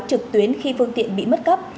trực tuyến khi phương tiện bị mất cấp